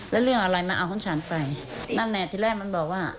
แล้วเรื่องอะไรมาเอาของฉันไปนั่นแหละที่แรกมันบอกว่า